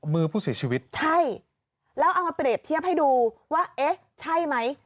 มือผู้เสียชีวิตใช่แล้วเอามาเปรียบเทียบให้ดูว่าเอ๊ะใช่ไหม